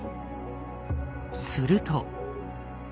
すると。